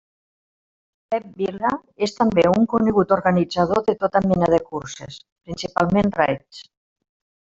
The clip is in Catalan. Pep Vila és també un conegut organitzador de tota mena de curses, principalment raids.